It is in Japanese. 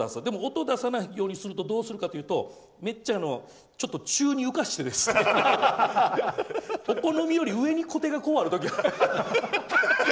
音を出さないようにするにはどうするかというとちょっと宙に浮かせてですねお好みより上にこてがある時が。